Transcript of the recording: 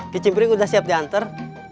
kicimpring udah siap diantar